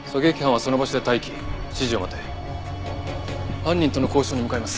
犯人との交渉に向かいます。